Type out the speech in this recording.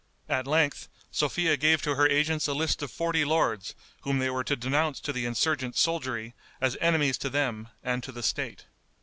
At length Sophia gave to her agents a list of forty lords whom they were to denounce to the insurgent soldiery as enemies to them and to the State.